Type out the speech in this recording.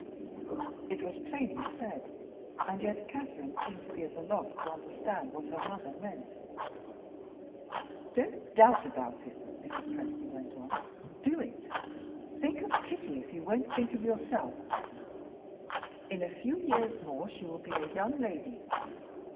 It was plainly said and yet Catherine seemed to be at a loss to understand what her mother meant. "Don't doubt about it," Mrs. Presty went on; "do it. Think of Kitty if you won't think of yourself. In a few years more she will be a young lady.